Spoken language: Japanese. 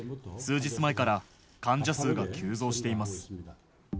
数日前から患者数が急増しています。